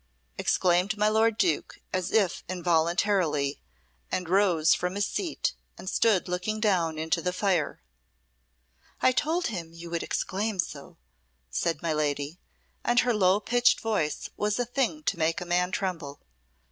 exclaimed my lord Duke, as if involuntarily, and rose from his seat and stood looking down into the fire. "I told him you would exclaim so!" said my lady, and her low pitched voice was a thing to make a man tremble.